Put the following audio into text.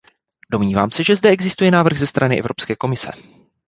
Domnívám se, že zde existuje návrh ze strany Evropské komise.